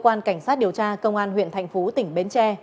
cơ quan cảnh sát điều tra công an huyện thành phú tỉnh bến tre